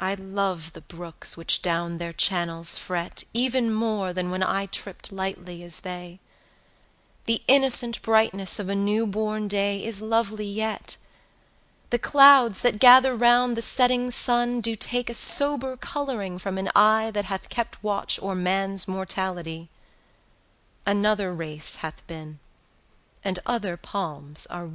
I love the brooks which down their channels fret, Even more than when I tripp'd lightly as they; The innocent brightness of a new born Day Is lovely yet; 200 The clouds that gather round the setting sun Do take a sober colouring from an eye That hath kept watch o'er man's mortality; Another race hath been, and other palms are won.